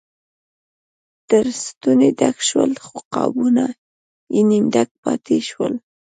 تر ستوني ډک شول خو قابونه یې نیم ډک پاتې شول.